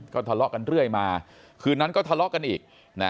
ก็ทะเลาะกันเรื่อยมาคืนนั้นก็ทะเลาะกันอีก